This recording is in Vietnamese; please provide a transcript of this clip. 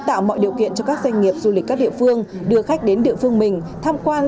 tạo mọi điều kiện cho các doanh nghiệp du lịch các địa phương đưa khách đến địa phương mình tham quan